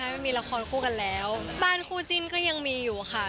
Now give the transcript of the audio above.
ไม่มีละครคู่กันแล้วบ้านคู่จิ้นก็ยังมีอยู่ค่ะ